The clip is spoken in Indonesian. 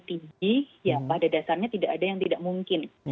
jadi pada dasarnya tidak ada yang tidak mungkin